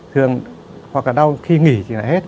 thường hoặc là đau khi nghỉ thì lại hết